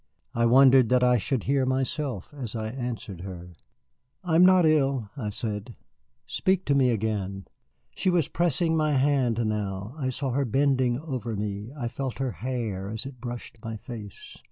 I wondered that I should hear myself as I answered her. "I am not ill," I said. "Speak to me again." She was pressing my hand now, I saw her bending over me, I felt her hair as it brushed my face.